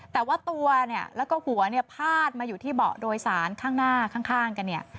แต่ว่าตัวเนี่ยแล้วก็หัวเนี่ยพาดมาอยู่ที่เบาะโดยสารข้างหน้าข้างกันเนี่ย